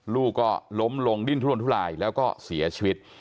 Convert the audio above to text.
ลูกก็ล้มลงดิ้นทุรนทุลายแล้วก็เสียชีวิต